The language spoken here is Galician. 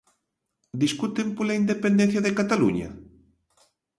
¿Discuten pola independencia de Cataluña?